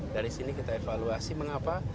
dari sini kita evaluasi mengapa